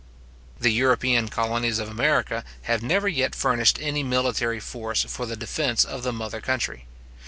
The European colonies of America have never yet furnished any military force for the defence of the mother country.